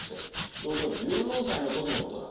ちょうど１４歳の時のことだ。